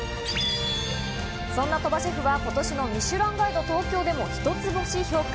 そんな鳥羽シェフは、今年の『ミシュランガイド東京』でも一つ星評価。